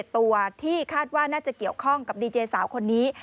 ตัวที่คาดว่าน่าจะเกี่ยวข้องกับดีเจสาวคนนี้